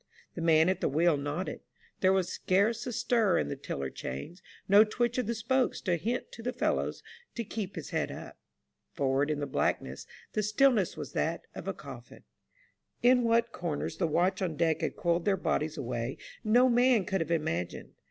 The man at the wheel nodded ; there was scarce a stir in the tiller chains ; no twitch of the spokes to hint to the fellow to keep his head up. Forward in the black ness the stillness was that of a coffin. In what corners the watch on deck had coiled their bodies away no man could have imagined.